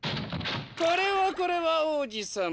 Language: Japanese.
これはこれは王子さま。